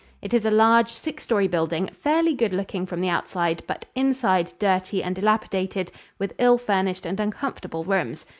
It is a large, six story building, fairly good looking from the outside, but inside dirty and dilapidated, with ill furnished and uncomfortable rooms.